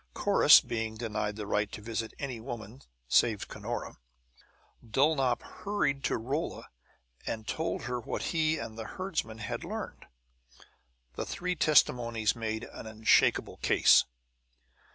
Corrus being denied the right to visit any woman save Cunora, Dulnop hurried to Rolla and told her what he and the herdsman had learned. The three testimonies made an unshakable case.